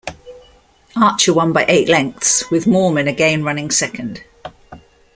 Archer won by eight lengths, with Mormon again running second.